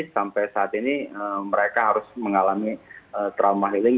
sampai saat ini mereka harus mengalami trauma healing